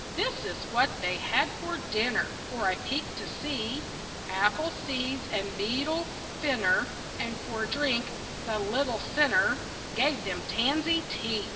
This is what they had for dinner, For I peeked to see: Apple seeds and beetle finner, And for drink the little sinner Gave them tansy tea.